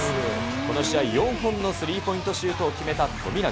この試合、４本のスリーポイントシュートを決めた富永。